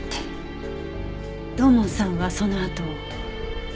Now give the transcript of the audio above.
土門さんはそのあと？